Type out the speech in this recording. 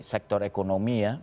sektor ekonomi ya